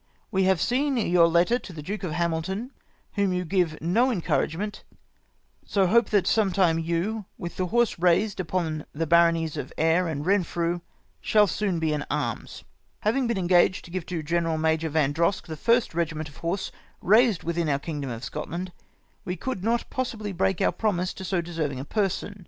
We have seen your letter to the Duke of Hamilton, whom you give no encouragement ; so hope that sometime you, with the horse raised upon the baronies of Ayr and Eenfrew, shall soon be in arms. " Having been engaged to give to Greneral Major Vandrosk the first regiment of horse raised within om* kingdom of Scotland, we could not possibly break our promise to so deserving a person.